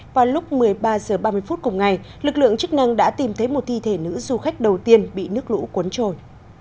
vào lúc một mươi ba h ba mươi phút cùng ngày lực lượng chức năng đã tìm thấy một thi thể nữ du khách đầu tiên bị nước lũ cuốn trôi